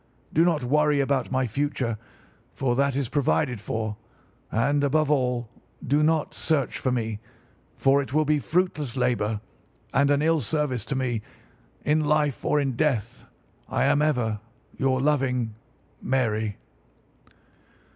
Do not worry about my future, for that is provided for; and, above all, do not search for me, for it will be fruitless labour and an ill service to me. In life or in death, I am ever your loving, "'MARY.